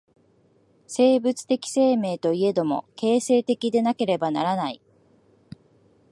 生物的生命といえども、形成的でなければならない。